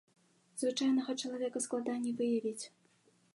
Звычайнага чалавека складаней выявіць.